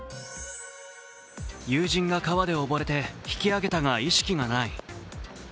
友人が川で溺れて引き揚げたが意識がない。